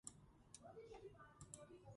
იგი იქცა ებრაელების პილიგრიმობის ადგილად.